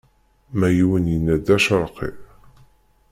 Ma yiwen yenna-d d acerqi.